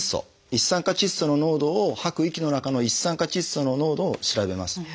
一酸化窒素の濃度を吐く息の中の一酸化窒素の濃度を調べます。